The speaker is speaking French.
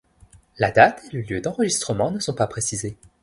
La date et le lieu d'enregistrement ne sont pas précisés.